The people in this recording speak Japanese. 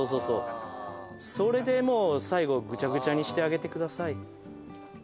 そうそれでもう最後ぐちゃぐちゃにしてあげてください